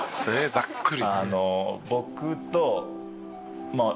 ざっくり。